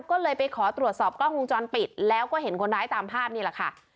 ก็เลยไปขอตรวจสอบกล้องวงจรปิดแล้วก็เห็นคนร้ายตามภาพนี่แหละค่ะ